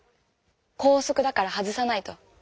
校則だから外さないと。